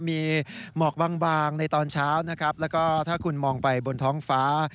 มีหมอกบางบางในตอนเช้านะครับแล้วก็ถ้าคุณมองไปบนท้องฟ้า